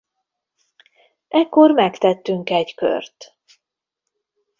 Ekkor megtettünk egy kört.